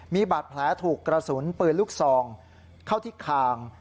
มีบาดแผลถูกกระสุนปืนลูกซองเข้าที่คาง